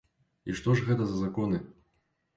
І што ж гэта за законы?